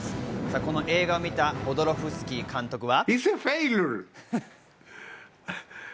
この映画を見たホドロフスキー監督は。